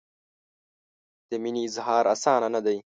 د مینې اظهار اسانه نه دی.